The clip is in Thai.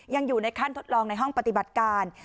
ยังอยู่ในขั้นทดลองในห้องปฏิบัติการ